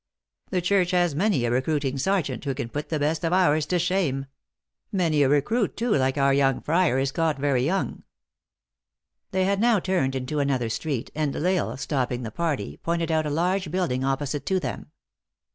The church has many a recruiting sergeant, who can put the best of ours to shame. Many a recruit, too, like our young friar, is caught very young." They had now turned into another street, and L Isle, stopping the party, pointed out a large build ing opposite to them.